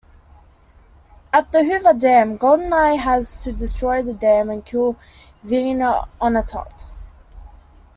At the Hoover Dam, GoldenEye has to destroy the dam and kill Xenia Onatopp.